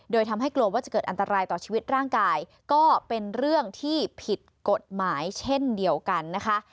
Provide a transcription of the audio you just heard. โดยทำให้กลัวว่าจะเกิดอันตรายต่อชีวิตร่างกายก็เป็นเรื่องที่ผิดกฎหมายเช่นเดียวกันนะคะ